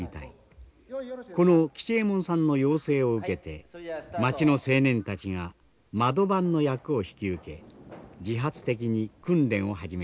この吉右衛門さんの要請を受けて町の青年たちが窓番の役を引き受け自発的に訓練を始めました。